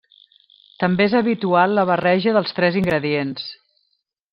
També és habitual la barreja dels tres ingredients.